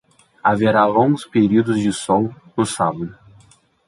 Haverá longos períodos de sol no sábado.